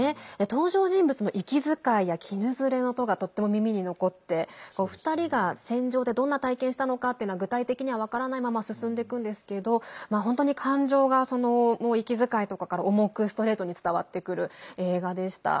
登場人物の息遣いやきぬずれの音がとっても耳に残って２人が戦場でどんな体験したのかっていうのは具体的には分からないまま進んでいくんですけど本当に感情が、息遣いとかから重くストレートに伝わってくる映画でした。